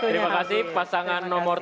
terima kasih pasangan nomor tiga